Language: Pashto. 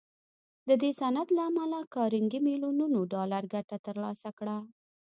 د دې صنعت له امله کارنګي ميليونونه ډالر ګټه تر لاسه کړه.